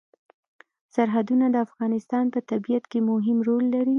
سرحدونه د افغانستان په طبیعت کې مهم رول لري.